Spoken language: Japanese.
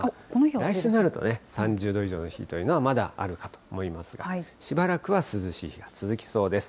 来週になるとね、３０度以上の日というのはまだあるかと思いますが、しばらくは涼しい日が続きそうです。